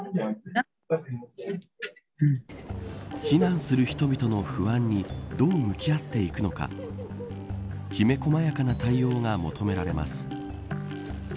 避難する人々の不安にどう向き合っていくのかきめ細やかな対応が求められます。